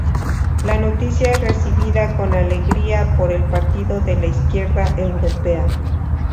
La noticia es recibida con alegría por el Partido de la Izquierda Europea.